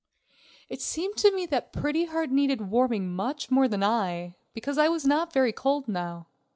It seemed to me that Pretty Heart needed warming much more than I, because I was not very cold now.